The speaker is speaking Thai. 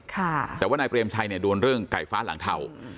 แต่ว่านายเปรมชัยเนี่ยโดนเรื่องไก่ฟ้าหลังเทา